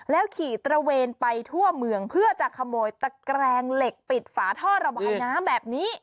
ขี่ตระเวนไปทั่วเมืองเพื่อจะขโมยตะแกรงเหล็กปิดฝาท่อระบายน้ำแบบนี้